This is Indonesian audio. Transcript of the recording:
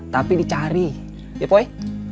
tapi dicari ya poi